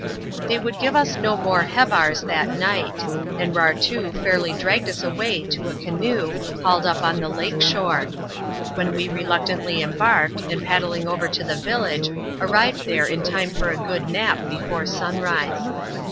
They would give us no more hevars that night ; and Rartoo fairly dragged us away to a canoe, hauled up on the lake shore ; when we reluctantly emharked, and paddling over to the village, arrived there in time for a good nap before sunrise.